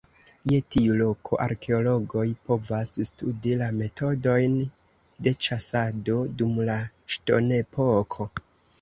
Je tiu loko arkeologoj povas studi la metodojn de ĉasado dum la ŝtonepoko.